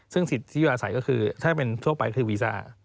ซึ่งสิทธิอยู่อาศัยก็คือถ้าเป็นทั่วไปคือวีซ่า